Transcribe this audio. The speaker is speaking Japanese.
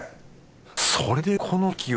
それでこの席を